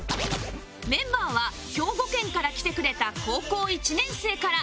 メンバーは兵庫県から来てくれた高校１年生から